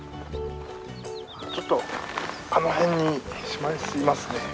ちょっとあの辺にシマリスいますね。